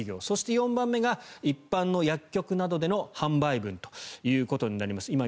そして、４番目が一般の薬局などでの販売分となります。